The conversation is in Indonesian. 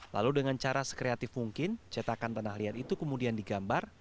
lalu dengan cara sekreatif mungkin cetakan tanah liat itu kemudian digambar